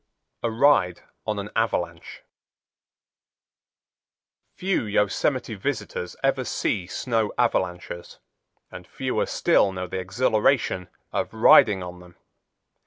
A Ride On An Avalanche Few Yosemite visitors ever see snow avalanches and fewer still know the exhilaration of riding on them.